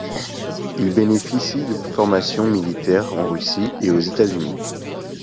Il bénéficie de formations militaires en Russie et aux États-Unis.